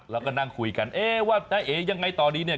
แล้วก็นั่งคุยกันว่าน้าเอ๋ยังไงตอนนี้